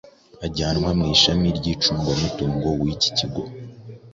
ajyanwa mu ishami ry’icungamutungo w’iki kigo